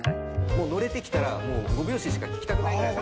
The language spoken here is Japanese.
もうのれてきたら５拍子しか聴きたくないぐらい。